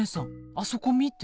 あそこ見て。